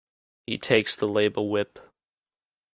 He takes the Labour whip.